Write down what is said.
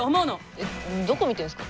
えっどこ見てんすか？